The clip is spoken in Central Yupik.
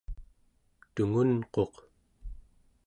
tungunquq